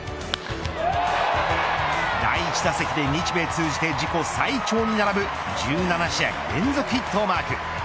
第１打席で日米通じて自己最長に並ぶ１７試合連続ヒットをマーク。